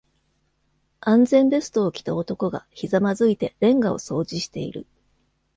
安全ベストを着た男がひざまずいてレンガを掃除している。